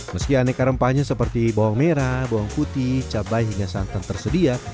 meski aneka rempahnya seperti bawang merah bawang putih cabai hingga santan tersedia